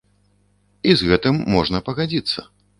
І з гэтым можна пагадзіцца.